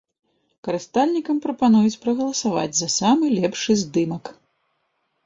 Карыстальнікам прапануюць прагаласаваць за самы лепшы здымак.